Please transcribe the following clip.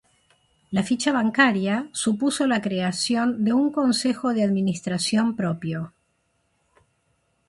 La ficha bancaria supuso la creación de un consejo de administración propio.